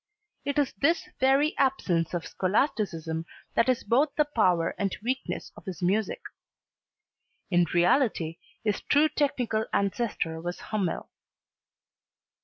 It is this very absence of scholasticism that is both the power and weakness of his music. In reality his true technical ancestor was Hummel.